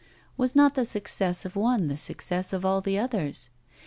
Was not the success of one the success of all the others?